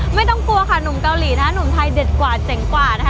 ไม่ต้องกลัวค่ะหนุ่มเกาหลีนะหนุ่มไทยเด็ดกว่าเจ๋งกว่านะคะ